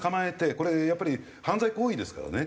これやっぱり犯罪行為ですからね。